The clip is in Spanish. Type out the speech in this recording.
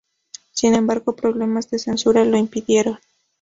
Sin embargo, problemas de censura lo impidieron.